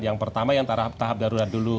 yang pertama yang tahap darurat dulu